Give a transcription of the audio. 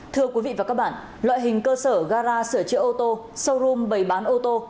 thưa quý vị và các bạn loại hình cơ sở gara sửa chữa ô tô showroom bày bán ô tô